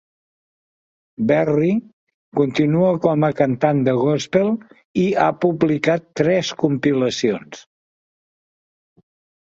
Berry continua com a cantant de gospel, i ha publicat tres compilacions.